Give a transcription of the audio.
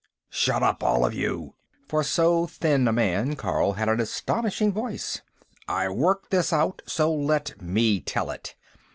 "Shut up, all of you!" For so thin a man, Carl had an astonishing voice. "I worked this out, so let me tell it."